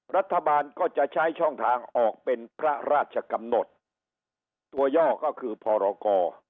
รัฐบาลก็จะใช้ช่องทางออกเป็นพระราชกำหนดตัวย่อก็คือพรกร